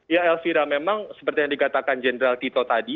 ya elvira memang seperti yang dikatakan jenderal tito tadi